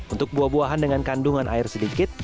untuk buah buahan dengan kandungan air sedikit